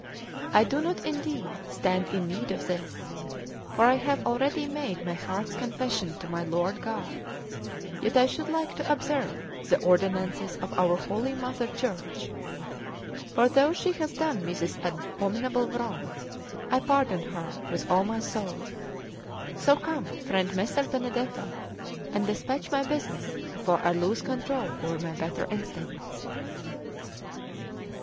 I do not indeed stand in need of this, for I have already made my heart's confession to my Lord God; yet I should like to observe the ordinances of our Holy Mother Church; for though she has done me this abominable wrong, I pardon her with all my soul. So come, friend Messer Benedetto, and despatch my business before I lose control over my better instincts."